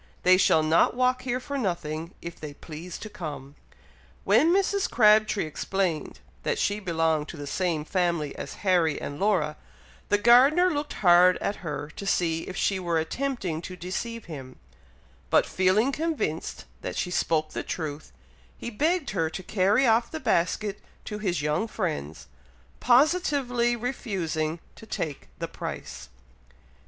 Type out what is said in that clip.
They shall not walk here for nothing, if they please to come!" When Mrs. Crabtree explained that she belonged to the same family as Harry and Laura, the gardener looked hard at her to see if she were attempting to deceive him; but feeling convinced that she spoke the truth, he begged her to carry off the basket to his young friends, positively refusing to take the price.